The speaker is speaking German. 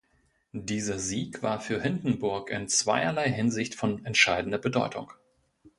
Dieser Sieg war für Hindenburg in zweierlei Hinsicht von entscheidender Bedeutung.